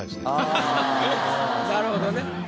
なるほどね。